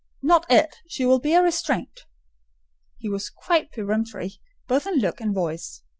"Not it: she will be a restraint." He was quite peremptory, both in look and voice.